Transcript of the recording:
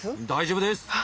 大丈夫です！